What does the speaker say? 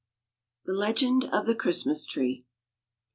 THE LEGEND OF THE CHRISTMAS TREE.